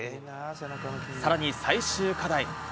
さらに最終課題。